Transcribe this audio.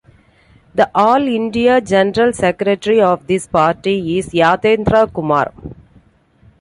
The all India general secretary of this party is Yatendra Kumar.